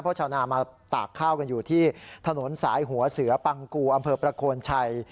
เพราะชาวนามาตากข้าวกันอยู่ที่ถนนสายหัวเสือปังกูอำเภอประโคนชัย